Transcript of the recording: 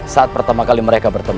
saat pertama kali mereka bertemu